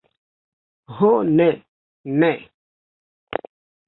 Ho, ne! Ne!